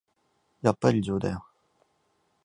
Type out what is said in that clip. やっぱり異常だよ